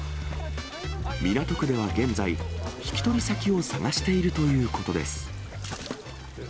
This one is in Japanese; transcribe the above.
港区では現在、引き取り先を探しているということです。